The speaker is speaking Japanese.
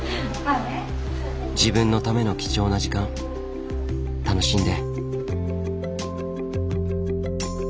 自分のための貴重な時間楽しんで。